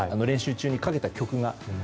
練習中にかけた曲が。